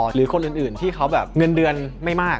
หรือคนอื่นที่เขาแบบเงินเดือนไม่มาก